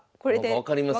分かりますね。